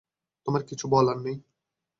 তোমার কিছু বলার নেই?